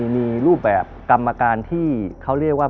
มีรูปแบบกรรมการที่เขาเรียกว่า